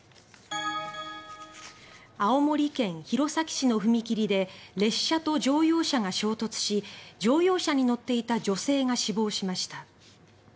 青森県弘前市の踏切で列車と乗用車が衝突し乗用車に乗っていた女性が死亡しました。